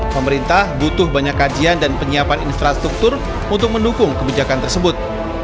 pemerintah butuh banyak kajian dan penyiapan infrastruktur untuk mendukung kebijakan tersebut